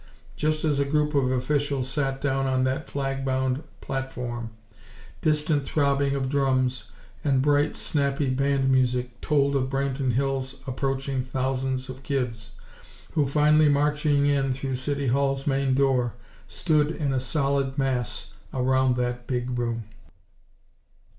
Just as a group of officials sat down on that flag bound platform, distant throbbing of drums, and bright, snappy band music told of Branton Hills' approaching thousands of kids, who, finally marching in through City Hall's main door, stood in a solid mass around that big room.